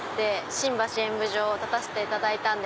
新橋演舞場立たせていただいた。